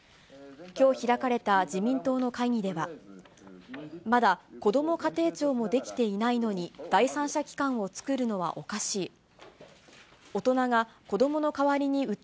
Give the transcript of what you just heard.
きょう開かれた自民党の会議では、まだこども家庭庁も出来ていないのに、第三者機関を作るのはおかしい。